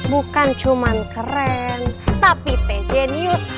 bukan cuman keren tapi teh jenius